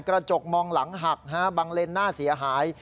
กระจกมองหลังหักบางเลนหน้าเสียหาย